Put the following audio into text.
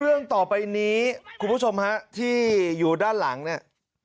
เรื่องต่อไปนี้คุณผู้ชมฮะที่อยู่ด้านหลังเนี่ย